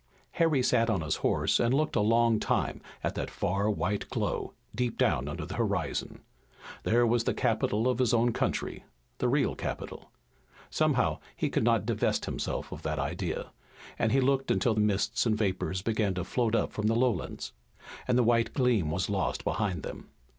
Harry sat on his horse and looked a long time at that far white glow, deep down under the horizon. There was the capital of his own country, the real capital. Somehow he could not divest himself of that idea, and he looked until mists and vapors began to float up from the lowlands, and the white gleam was lost behind them.